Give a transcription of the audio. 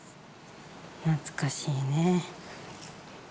懐かしいね。